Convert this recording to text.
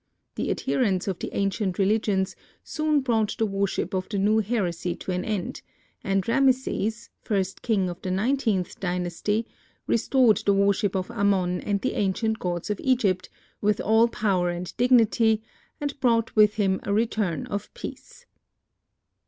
The adherents of the ancient religions soon brought the worship of the new heresy to an end, and Rameses, first king of the nineteenth dynasty, restored the worship of Amon and the ancient gods of Egypt, with all power and dignity and brought with him a return of peace.